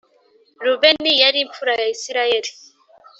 Rubeni yari imfura ya Isirayeli